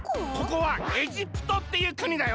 ここはエジプトっていうくにだよ。